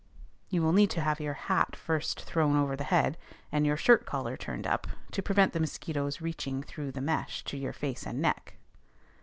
You will need to have your hat first thrown over the head, and your shirt collar turned up, to prevent the mosquitoes reaching through the mesh to your face and neck.